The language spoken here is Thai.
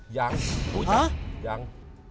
ยังยัง